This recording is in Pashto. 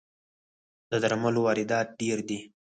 د درملو واردات ډیر دي